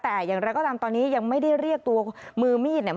แต่อย่างไรก็ตามตอนนี้ยังไม่ได้เรียกตัวมือมีดเนี่ย